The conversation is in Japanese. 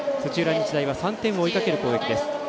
日大は３点を追いかける攻撃です。